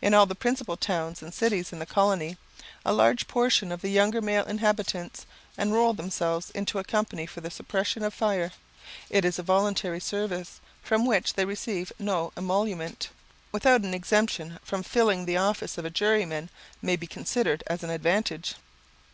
In all the principal towns and cities in the colony, a large portion of the younger male inhabitants enrol themselves into a company for the suppression of fire. It is a voluntary service, from which they receive no emolument, without an exemption from filling the office of a juryman may be considered as an advantage.